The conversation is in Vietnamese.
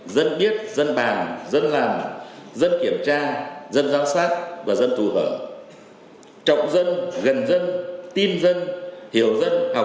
dân biết dân bàn dân làm dân kiểm tra dân giám sát và dân thù hở